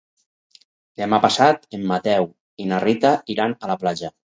Demà passat en Mateu i na Rita iran a la platja.